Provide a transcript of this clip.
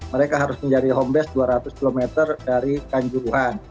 mereka harus menjadi home base dua ratus km dari kanjuruhan